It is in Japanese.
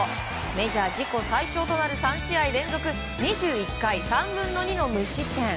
メジャー自己最長となる３試合連続２１回３分の２の無失点。